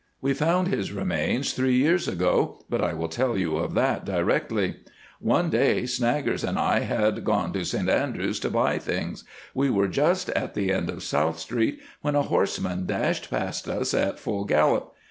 We found his remains three years ago, but I will tell you of that directly. One day Snaggers and I had gone to St Andrews to buy things. We were just at the end of South Street when a horseman dashed past us at full gallop.